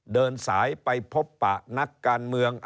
เดินสายไปพบปะนักการเมือง